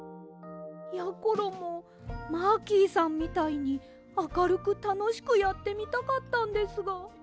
やころもマーキーさんみたいにあかるくたのしくやってみたかったんですが。